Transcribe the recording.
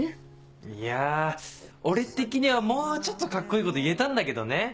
いや俺的にはもうちょっとカッコいいこと言えたんだけどね。